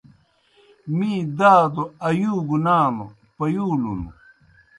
می دادوْ آیُوگوْ نانوْ پیُولُن۔